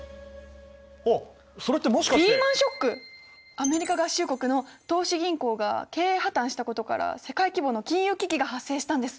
アメリカ合衆国の投資銀行が経営破綻したことから世界規模の金融危機が発生したんです。